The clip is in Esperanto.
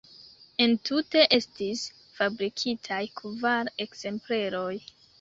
Entute estis fabrikitaj kvar ekzempleroj.